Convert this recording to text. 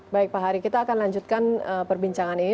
baik pak hari kita akan lanjutkan perbincangan ini